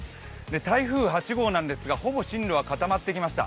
台風８号なんですが、ほぼ進路はかたまってきました。